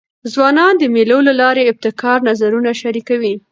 ځوانان د مېلو له لاري ابتکاري نظرونه شریکوي.